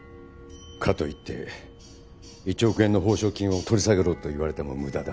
かといって１億円の報奨金を取り下げろと言われても無駄だ。